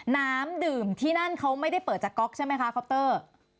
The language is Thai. น้ำดื่มที่นั่นเขาไม่ได้เปิดจากก๊อกใช่ไหมคะคอปเตอร์